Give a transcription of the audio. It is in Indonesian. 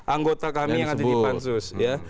anggota kami yang ada di pansus ya